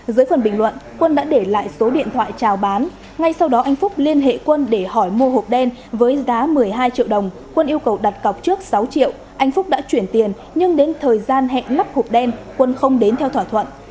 dưới phần bình luận quân đã để lại số điện thoại trào bán ngay sau đó anh phúc liên hệ quân để hỏi mua hộp đen với giá một mươi hai triệu đồng quân yêu cầu đặt cọc trước sáu triệu anh phúc đã chuyển tiền nhưng đến thời gian hẹn lắp hộp đen quân không đến theo thỏa thuận